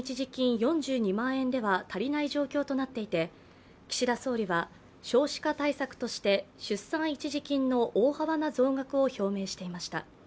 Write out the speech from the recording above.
４２万円では足りない状況となっていて岸田総理は少子化対策として出産育児一時金の大幅な増額を表明していました。